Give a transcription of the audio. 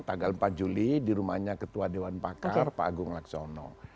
tanggal empat juli di rumahnya ketua dewan pakar pak agung laksono